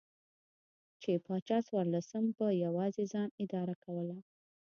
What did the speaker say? چې پاچا څوارلسم په یوازې ځان اداره کوله.